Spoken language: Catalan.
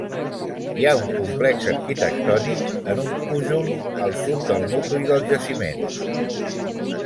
Hi ha un complex arquitectònic en un pujol al sud del nucli del jaciment.